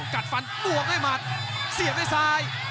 กัดฟันบวกด้วยหมัดเสียบด้วยซ้าย